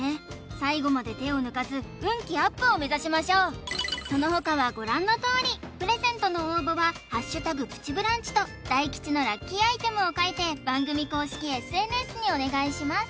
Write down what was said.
最後まで手を抜かず運気アップを目指しましょうそのほかはご覧のとおりプレゼントの応募は「＃プチブランチ」と大吉のラッキーアイテムを書いて番組公式ＳＮＳにお願いします